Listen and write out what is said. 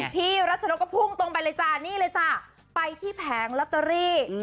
พี่รัชนกก็พุ่งตรงไปเลยจ้ะนี่เลยจ้ะไปที่แผงลอตเตอรี่